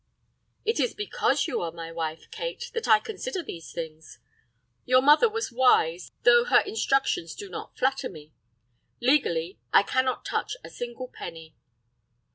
"It is because you are my wife, Kate, that I consider these things. Your mother was wise, though her instructions do not flatter me. Legally, I cannot touch a single penny."